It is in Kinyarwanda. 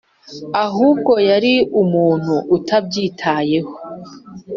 ahubwo, yari umuntu utabyitayeho.